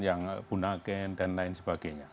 yang bunaken dan lain sebagainya